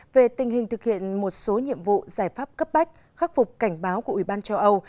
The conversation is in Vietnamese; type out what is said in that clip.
về tình hình thực hiện một số nhiệm vụ giải pháp cấp bách khắc phục cảnh báo của ủy ban châu âu